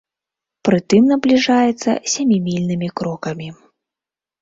Прытым набліжаецца сямімільнымі крокамі.